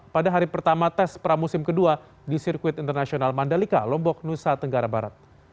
pada hari pertama tes pramusim kedua di sirkuit internasional mandalika lombok nusa tenggara barat